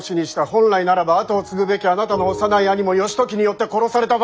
本来ならば跡を継ぐべきあなたの幼い兄も義時によって殺された。